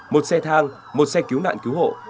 một xe thang một xe cứu nạn cứu hộ